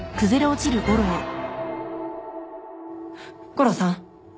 悟郎さん？